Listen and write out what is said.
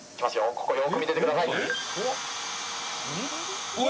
ここよく見ていてください。